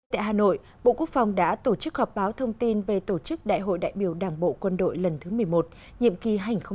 tại hà nội bộ quốc phòng đã tổ chức họp báo thông tin về tổ chức đại hội đại biểu đảng bộ quân đội lần thứ một mươi một nhiệm kỳ hai nghìn hai mươi hai nghìn hai mươi năm